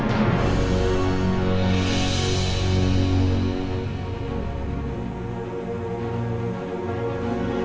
kenapa reina pakai keluar mobil segala sih kan bahaya